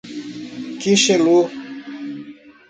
Quixelô